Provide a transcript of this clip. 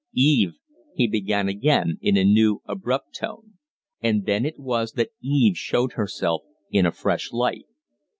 "Eve " he began again in a new, abrupt tone. And then it was that Eve showed herself in a fresh light.